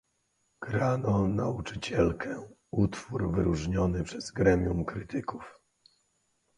"Grano »Nauczycielkę«, utwór wyróżniony przez gremium krytyków."